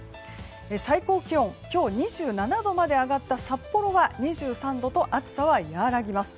最高気温、今日２７度まで上がった札幌は２３度と暑さは和らぎます。